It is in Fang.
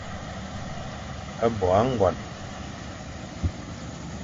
Bo âgon.